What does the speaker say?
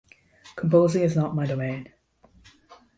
Composing is not my domain.